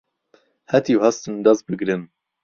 هەتیو هەستن دەس بگرن